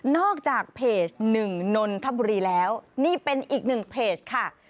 จากเพจหนึ่งนนทบุรีแล้วนี่เป็นอีกหนึ่งเพจค่ะ